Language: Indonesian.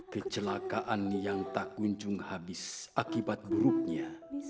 kecelakaan yang tak kunjung habis akibat buruknya